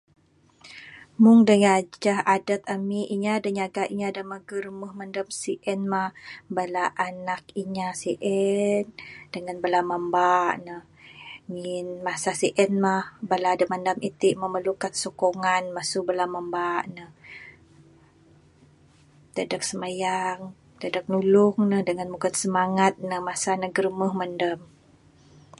Mung da ngajah adat ami, inya da nyaga, inya da maguh rumuh mandam sien mah, bala anak inya sien, dengan bala mamba'k ne. Ngin masa sien mah, bala da mandam iti'k memerlukan sokongan masu bala mamba'k ne. Dadeg simayang, dadeg nulung ne, dengan mugon semangat ne masa ne girumuh mandam.